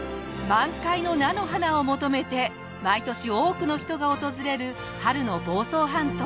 満開の菜の花を求めて毎年多くの人が訪れる春の房総半島。